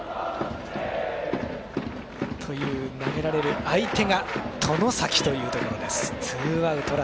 という投げられる相手が外崎というところです。